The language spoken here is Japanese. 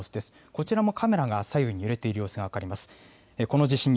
こちらもカメラが左右に揺れている様子が分かります。